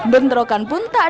bentrokan pun tak ada